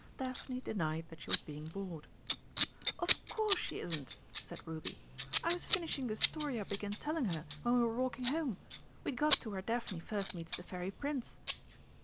Daphne denied that she was being bored. "Of course she isn't!" said Ruby; "I was finishing the story I began telling her when we were walking home. We'd got to where Daphne first meets the Fairy Prince."